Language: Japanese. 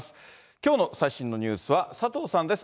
きょうの最新のニュースは佐藤さんです。